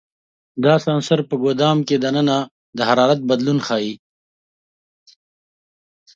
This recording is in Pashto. دا سنسر په ګدام کې دننه د حرارت بدلون ښيي.